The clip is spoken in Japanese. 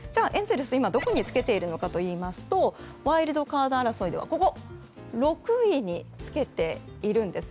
エンゼルス、今どこにつけているかといいますとワイルドカード争いでは６位につけているんです。